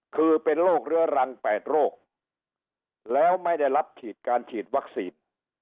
คือเป็นโรคเรื้อรัง๘โรคแล้วไม่ได้รับฉีดการฉีดวัคซีน